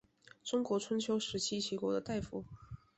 中国春秋时期齐国的大夫。